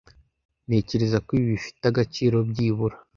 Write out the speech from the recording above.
Ntekereza ko ibi bifite agaciro byibura